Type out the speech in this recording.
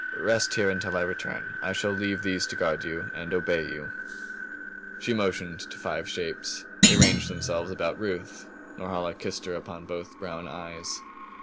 "Rest here until I return. I shall leave these to guard you and obey you." She motioned to the five shapes. They ranged themselves about Ruth. Norhala kissed her upon both brown eyes.